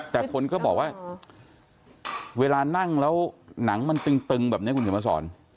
แต่คนก็บอกว่าเวลานั่งแล้วหนังมันตึงแบบนี้คุณเขียนมาสอน